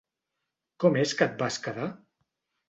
Com és que et vas quedar?